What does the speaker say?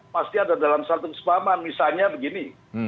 pasti ada dalam satu kesepahaman misalnya begini